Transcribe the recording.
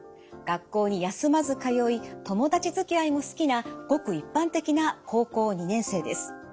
学校に休まず通い友達づきあいも好きなごく一般的な高校２年生です。